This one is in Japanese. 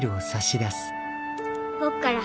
僕から。